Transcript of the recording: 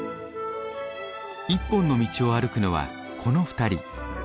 一本の道を歩くのはこの２人。